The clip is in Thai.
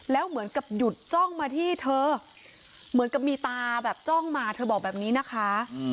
แล้วเหมือนกับหยุดจ้องมาที่เธอเหมือนกับมีตาแบบจ้องมาเธอบอกแบบนี้นะคะ